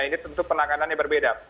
ini tentu penanganannya berbeda